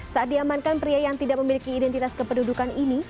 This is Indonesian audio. saat diamankan pria yang tidak memiliki identitas kependudukan ini